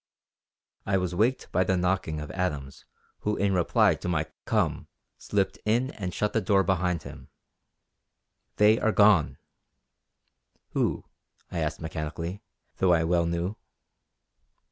I was waked by the knocking of Adams who in reply to my "Come," slipped in and shut the door behind him. "They are gone!" "Who?" I asked mechanically, though I well knew.